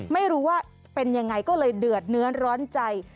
ไม่รู้ว่าเป็นยังไงก็เลยเดือดเนื้อร้อนใจ